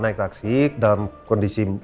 naik taksi dalam kondisi